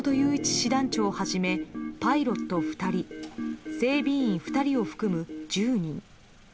師団長をはじめパイロット２人整備員２人を含む１０人。